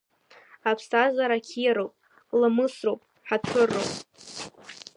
Аԥсҭазаара қьиароуп, ламысроуп, ҳаҭырроуп.